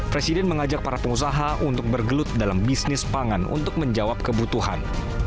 presiden mengajak para pengusaha untuk bergelut dalam bisnis pangan untuk menjawab kebutuhan